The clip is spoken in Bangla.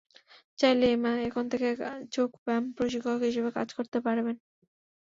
চাইলে এমা এখন থেকে যোগ ব্যায়াম প্রশিক্ষক হিসেবে কাজ করতে পারবেন।